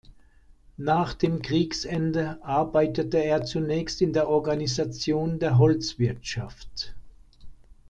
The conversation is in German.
Nach dem Kriegsende arbeitete er zunächst in der Organisation der Holzwirtschaft.